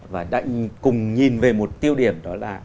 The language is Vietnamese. và đã cùng nhìn về một tiêu điểm đó là